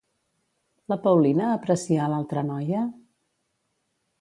La Paulina aprecia a l'altra noia?